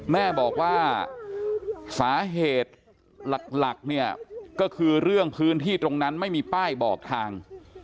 แม่บอกว่าสาเหตุหลักเนี่ยก็คือเรื่องพื้นที่ตรงนั้นไม่มีป้ายบอกทาง